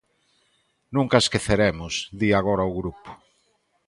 Nunca a esqueceremos, di agora o grupo.